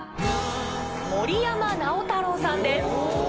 森山直太朗さんです。